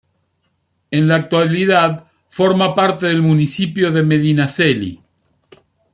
En la actualidad forma parte del municipio de Medinaceli.